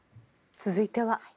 続いては。